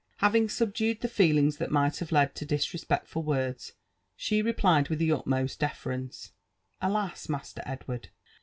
Having subdued the feelings that might have led to disrespectful words, she replied with the utmost deference, '' Alas, Master Edward